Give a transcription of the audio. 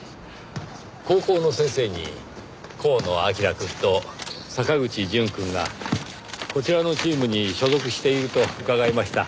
高校の先生に河野彬くんと坂口淳くんがこちらのチームに所属していると伺いました。